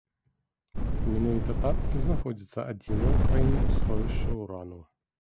Менавіта там і знаходзіцца адзінае ў краіне сховішча ўрану.